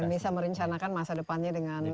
dan bisa merencanakan masa depannya dengan baik